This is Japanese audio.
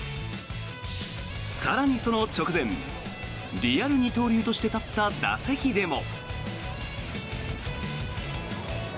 更にその直前リアル二刀流として立った打席でも。